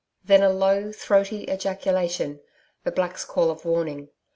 Then a low throaty ejaculation the black's call of warning.